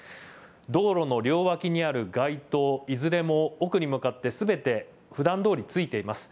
道路の両脇にある街灯、いずれも奥に向かってすべてふだんどおりついています。